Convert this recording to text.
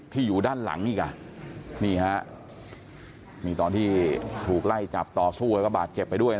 อยู่ด้านหลังนี่อ่ะนี่ฮะนี่ตอนที่ถูกไล่จับต่อสู้แล้วก็บาดเจ็บไปด้วยนะ